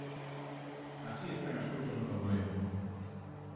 Así están as cousas no taboleiro.